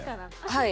はい。